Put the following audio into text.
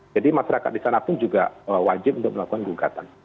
jadi masyarakat di sana pun juga wajib untuk melakukan gugatan